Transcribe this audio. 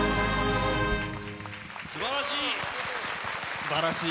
すばらしい！